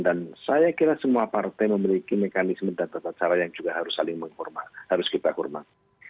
dan saya kira semua partai memiliki mekanisme dan tata cara yang juga harus kita hormati